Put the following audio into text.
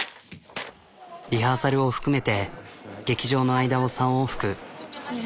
リハーサルを含めて劇場の間を３往復。